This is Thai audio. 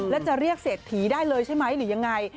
แล้วจะเรียกเศรษฐีได้เลยใช่ไหมหรือยังไง